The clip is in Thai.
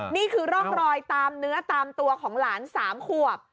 นี่คือร่องรอยตามเนื้อตามตัวของหลาน๓ขวบ